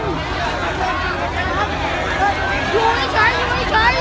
ก็ไม่มีเวลาให้กลับมาเท่าไหร่